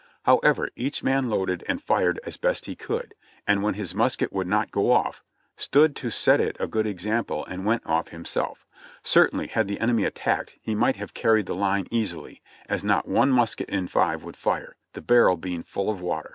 However, each man loaded and fired as best he could, and when his musket would not go off, stood to set it a good example and went off himself. Certainly, had the enemy attacked, he might have carried the line easily, as not one musket in five would fire — the barrel being full of water.